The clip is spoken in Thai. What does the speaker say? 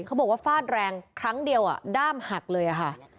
เขาบอกว่าฟาดแรงครั้งเดียวด้ามหักเลยค่ะ